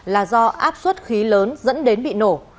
là do áp suất khí lớn dẫn đến bị nổ